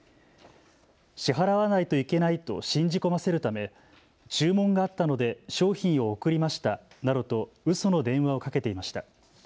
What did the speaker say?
支払わないといけないと信じ込ませるため注文があったので商品を送りましたなどとうその電話をかけていました。